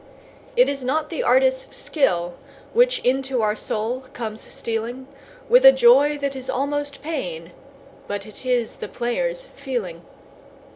It is not the artist's skill which into our soul comes stealing With a joy that is almost pain, but it is the player's feeling.